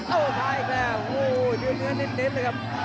เอ้าทรายอีกแล้วโหดูเนื้อนิดเลยครับ